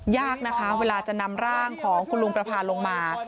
ยากนะคะเวลาจะนำร่างของคุณลุงประพาลงมา